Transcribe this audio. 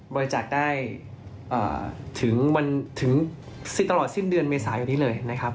บริจาคได้ถึงตลอดสิ้นเดือนเมษายนนี้เลยนะครับ